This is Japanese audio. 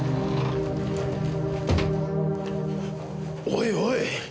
おいおい！